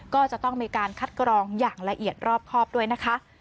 ก็จะต้องมีการคัดกรองอย่างละเอียดรอบครอบด้วยนะคะ